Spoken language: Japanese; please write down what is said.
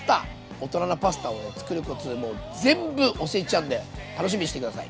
大人なパスタを作るコツもう全部教えちゃうんで楽しみにして下さい！